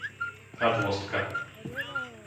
Radôstka